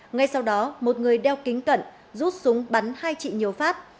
ngay sau đó một người đeo kính cận rút súng bắn hai chị nhiều phát